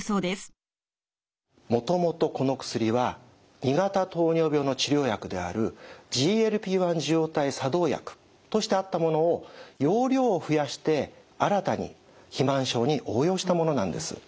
もともとこの薬は２型糖尿病の治療薬であるＧＬＰ−１受容体作動薬としてあったものを用量を増やして新たに肥満症に応用したものなんです。